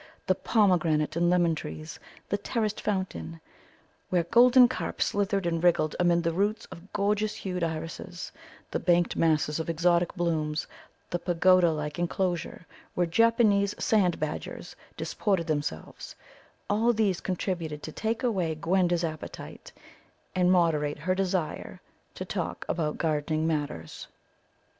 The pomegranate and lemon trees, the terraced fountain, where golden carp slithered and wriggled amid the roots of gorgeous hued irises, the banked masses of exotic blooms, the pagoda like enclosure, where Japanese sand badgers disported themselves, all these contributed to take away Gwenda's appetite and moderate her desire to talk about gardening matters.